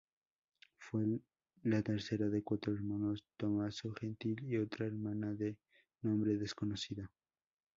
Fue la tercera de cuatro hermanosː Tomaso, Gentil y otra hermana de nombre desconocido.